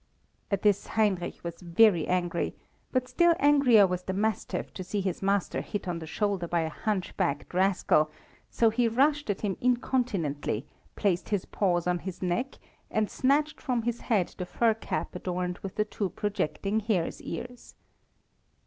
At this Heinrich was very angry, but still angrier was the mastiff to see his master hit on the shoulder by a hunch backed rascal, so he rushed at him incontinently, placed his paws on his neck, and snatched from his head the fur cap adorned with the two projecting hare's ears.